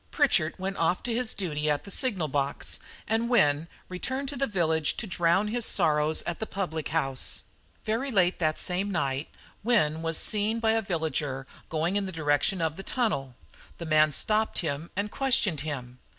Pritchard went off to his duty at the signal box and Wynne returned to the village to drown his sorrows at the public house. "Very late that same night Wynne was seen by a villager going in the direction of the tunnel. The man stopped him and questioned him.